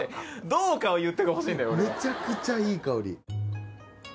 めちゃくちゃいい香り。